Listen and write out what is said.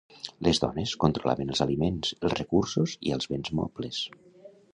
Les dones controlaven els aliments, els recursos i els béns mobles.